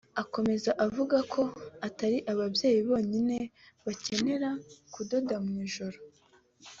Akomeza avuga ko atari ababyeyi bonyine bakenera kudodwa mu ijoro